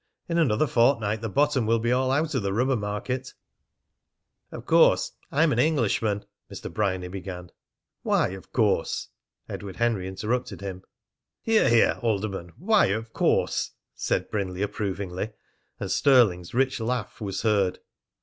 In another fortnight the bottom will be all out of the rubber market!" "Of course I'm an Englishman " Mr. Bryany began. "Why 'of course'?" Edward Henry interrupted him. "Hear! Hear! Alderman. Why 'of course'?" said Brindley approvingly, and Stirling's rich laugh was heard.